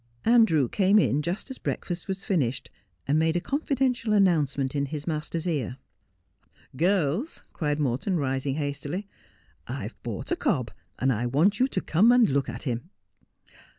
Andrew came in just as breakfast was finished, and made a confidential announcement in his master's ear. ' Girls,' cried Morton, rising hastily, ' I have bought a cob, and I want you to come and look at him.'